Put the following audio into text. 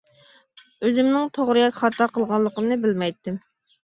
ئۆزۈمنىڭ توغرا ياكى خاتا قىلغانلىقىمنى بىلمەيتتىم.